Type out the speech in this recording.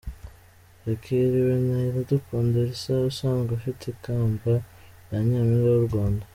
Yakiriwe na Iradukunda Elsa usanzwe afite ikamba rya Nyampinga w’u Rwanda.